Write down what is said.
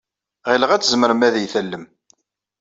Ɣileɣ ad tzemrem ad iyi-tallem.